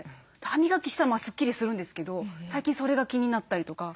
歯磨きしたらスッキリするんですけど最近それが気になったりとか。